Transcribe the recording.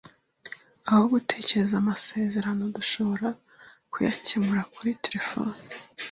Aho gutegereza amasezerano, dushobora kuyakemura kuri terefone.